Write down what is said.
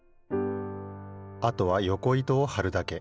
あとはよこ糸をはるだけ。